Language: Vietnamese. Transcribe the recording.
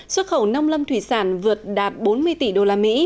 xuất khẩu nông lâm thủy sản vượt đạt bốn mươi tỷ usd